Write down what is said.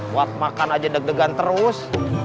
buat makan aja deg degan terus